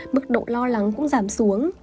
mức độ lo lắng cũng giảm xuống